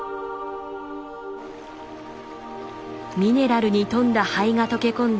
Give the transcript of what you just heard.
ミネラルに富んだ灰が溶け込んだ